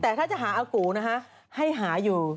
แต่ถ้าจะหาอากูนะคะให้หาอยู่